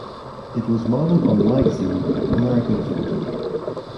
It was modeled on the magazine "American Photo".